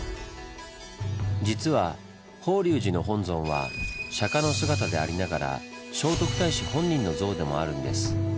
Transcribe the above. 実は法隆寺の本尊は釈の姿でありながら聖徳太子本人の像でもあるんです。